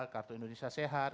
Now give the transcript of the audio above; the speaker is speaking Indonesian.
kartu indonesia sehat